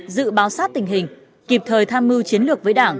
dự báo sát tình hình kịp thời tham mưu chiến lược với đảng